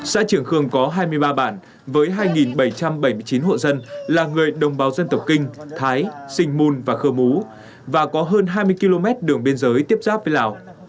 xã trường khương có hai mươi ba bản với hai bảy trăm bảy mươi chín hộ dân là người đồng bào dân tộc kinh thái sinh mùn và khơ mú và có hơn hai mươi km đường biên giới tiếp giáp với lào